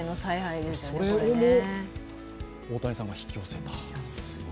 それをも大谷さんが引き寄せた。